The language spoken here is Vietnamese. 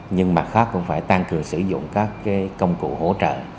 nhưng mặt khác cũng phải tăng cường sử dụng các công cụ hỗ trợ